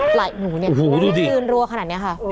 ไหล่หูเนี่ยมันไม่ขึ้นรัวขนาดนี้ค่ะ